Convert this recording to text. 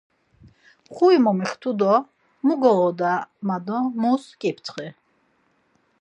Xui momixtu do 'mu goğoda' ma do mus p̌ǩitxi.